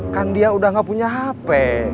kan dia udah gak punya hp